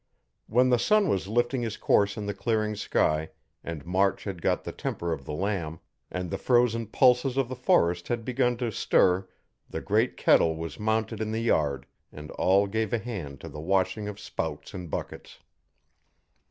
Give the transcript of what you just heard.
When the sun was lifting his course in the clearing sky, and March had got the temper of the lamb, and the frozen pulses of the forest had begun to stir, the great kettle was mounted in the yard and all gave a hand to the washing of spouts and buckets.